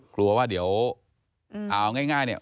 กลัวว่าเดี๋ยวเอาง่ายเนี่ย